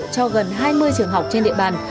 cho gần hai mươi trường học trên địa bàn